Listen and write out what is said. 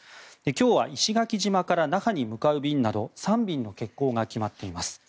今日は石垣島から那覇に向かう便など３便の欠航が決まっています。